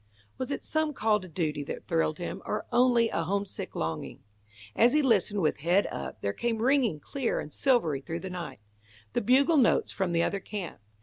Was it some call to duty that thrilled him, or only a homesick longing? As he listened with head up, there came ringing, clear and silvery through the night, the bugle notes from the other camp.